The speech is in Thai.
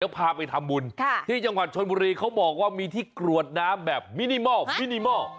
พาไปทำบุญที่จังหวัดชนบุรีเขาบอกว่ามีที่กรวดน้ำแบบมินิมอลมินิมอล